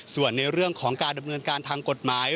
ส่วนในเรื่องของการดำเนินการทางกฎหมาย